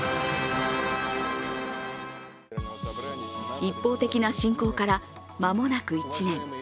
一方的な侵攻から間もなく１年。